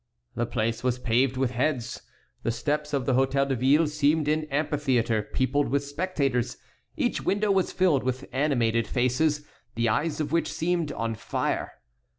The place was paved with heads; the steps of the Hôtel de Ville seemed an amphitheatre peopled with spectators. Each window was filled with animated faces, the eyes of which seemed on fire.